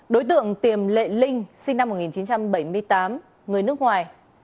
đối tượng tiềm lệ linh sinh năm một nghìn chín trăm bảy mươi tám người nước ngoài